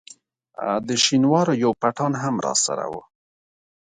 د شینوارو یو پټان هم راسره وو.